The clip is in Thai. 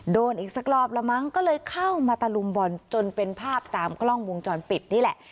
โดนอีกสักรอบละมั้งก็เลยเข้ามาตะลุมบอลจนเป็นภาพตามกล้องวงจรปิดนี่แหละ